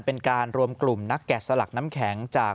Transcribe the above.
เป็นการรวมกลุ่มนักแกะสลักน้ำแข็งจาก